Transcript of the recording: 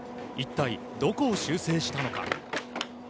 一体どこを修正したのか。